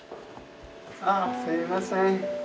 あすいません。